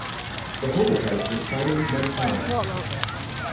The holotype was found in Montana.